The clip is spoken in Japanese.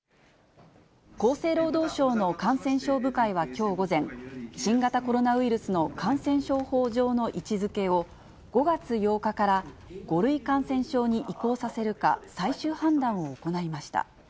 厚生労働省の感染症部会はきょう午前、新型コロナウイルスの感染症法上の位置づけを、５月８日から５類感染症に移行させるか、最終判断を行いました。